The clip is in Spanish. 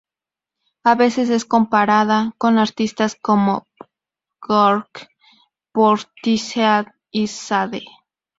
A veces es comparada con artistas como Björk, Portishead y Sade.